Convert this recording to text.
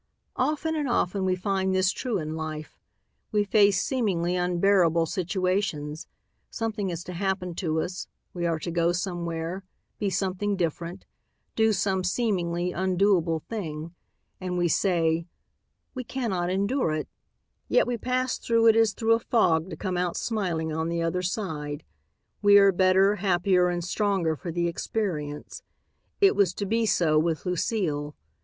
Often and often we find this true in life; we face seemingly unbearable situations something is to happen to us, we are to go somewhere, be something different, do some seemingly undoable thing and we say, "We cannot endure it," yet we pass through it as through a fog to come out smiling on the other side. We are better, happier and stronger for the experience. It was to be so with Lucile.